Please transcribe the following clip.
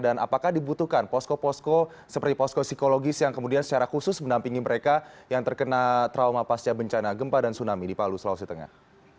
dan apakah dibutuhkan posko posko seperti posko psikologis yang kemudian secara khusus menampingi mereka yang terkena trauma pasca bencana gempa dan tsunami di palu sulawesi tengah